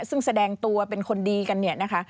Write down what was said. ซึ่งแสดงตัวเป็นคนดีกันเนี่ยนะคะ